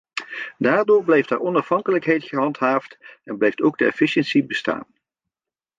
Daardoor blijft haar onafhankelijkheid gehandhaafd en blijft ook de efficiëntie bestaan.